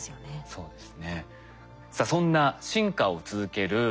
そうです。